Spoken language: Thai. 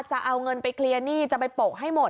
จะเอาเงินไปเคลียร์หนี้จะไปโปะให้หมด